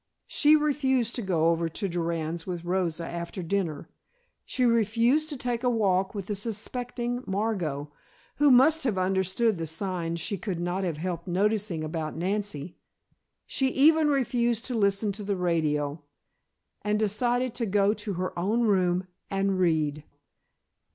She refused to go over to Durand's with Rosa after dinner, she refused to take a walk with the suspecting Margot, who must have understood the signs she could not have helped noticing about Nancy, she even refused to listen to the radio, and decided to go to her own room and read.